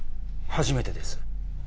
初めてです。